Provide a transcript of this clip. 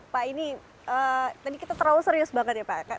pak ini tadi kita terlalu serius banget ya pak